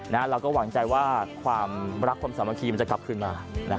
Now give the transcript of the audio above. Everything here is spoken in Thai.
นะฮะเราก็หวังใจว่าความรักความสำหรับทีมันจะกลับขึ้นมานะฮะ